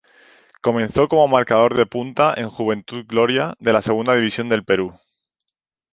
Comenzó como marcador de punta en Juventud Gloria de la Segunda División del Perú.